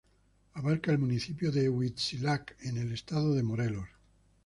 Abarca el municipio de Huitzilac en el Estado de Morelos.